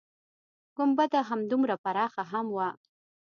گنبده همدومره پراخه هم وه.